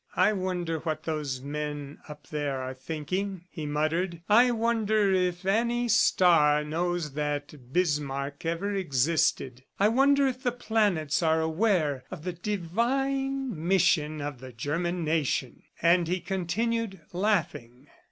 "I wonder what those men up there are thinking!" he muttered. "I wonder if any star knows that Bismarck ever existed! ... I wonder if the planets are aware of the divine mission of the German nation!" And he continued laughing.